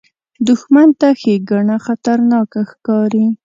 دښمن ته ښېګڼه خطرناکه ښکاري